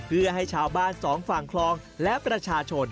เพื่อให้ชาวบ้านสองฝั่งคลองและประชาชน